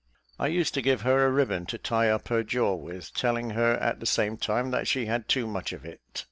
I used to give her a ribbon to tie up her jaw with, telling her at the same time that she had too much of it.